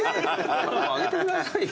あげてくださいよ